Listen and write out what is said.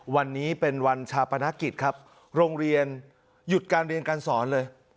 วันนี้เป็นวันชาปนกิจครับโรงเรียนหยุดการเรียนการสอนเลย